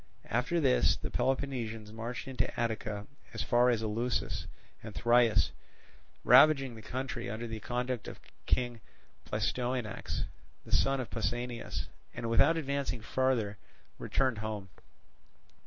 After this the Peloponnesians marched into Attica as far as Eleusis and Thrius, ravaging the country under the conduct of King Pleistoanax, the son of Pausanias, and without advancing further returned home.